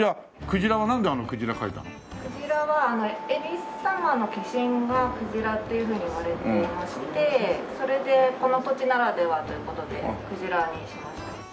クジラは恵比寿様の化身がクジラっていうふうにいわれていましてそれでこの土地ならではという事でクジラにしました。